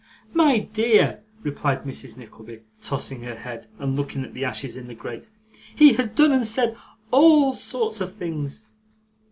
'My dear,' replied Mrs. Nickleby, tossing her head and looking at the ashes in the grate, 'he has done and said all sorts of things.